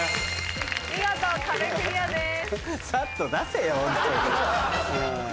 見事壁クリアです。